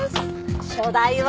初代は。